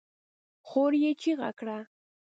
خور يې چيغه کړه!